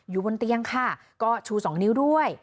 อยู่บนเตียงค่ะก็ชู๒นิ้วด้วย